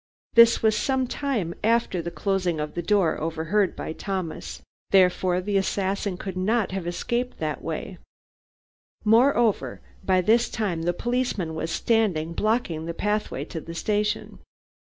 This was some time after the closing of the door overheard by Thomas; therefore the assassin could not have escaped that way. Moreover, by this time the policeman was standing blocking the pathway to the station.